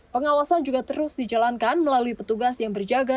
pengawasan juga terus dijalankan melalui petugas yang berjaga